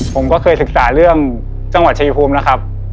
ผมก็เคยศึกษาเรื่องจังหวัดชายภูมินะครับ